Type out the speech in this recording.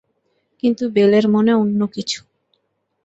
কিন্তু বেলের মনে অন্য কিছু।